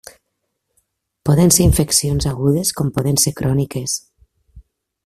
Poden ser infeccions agudes com poden ser cròniques.